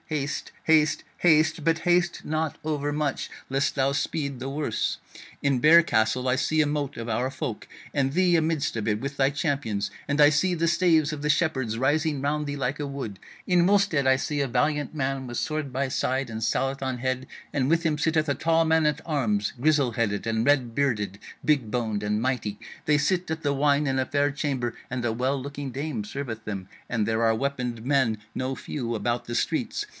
Haste, haste, haste! But haste not overmuch, lest thou speed the worse: in Bear Castle I see a mote of our folk, and thee amidst of it with thy champions, and I see the staves of the Shepherds rising round thee like a wood. In Wulstead I see a valiant man with sword by side and sallet on head, and with him sitteth a tall man at arms grizzle headed and red bearded, big boned and mighty; they sit at the wine in a fair chamber, and a well looking dame serveth them; and there are weaponed men no few about the streets.